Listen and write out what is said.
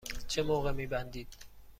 چه موقع می بندید؟